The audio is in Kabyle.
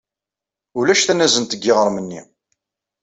Ulac tanazent deg yiɣrem-nni.